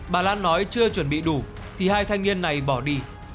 bà lan nói chưa chuẩn bị đủ thì hai thanh niên này bỏ đi